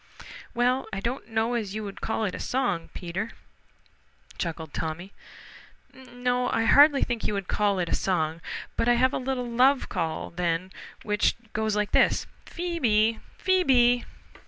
"Well, I don't know as you would call it a song, Peter," chuckled Tommy. "No, I hardly think you would call it a song. But I have a little love call then which goes like this: Phoe be! Phoe be!"